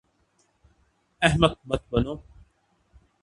احمق مت بنو